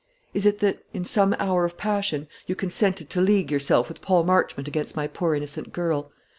Is it that, in some hour of passion, you consented to league yourself with Paul Marchmont against my poor innocent girl?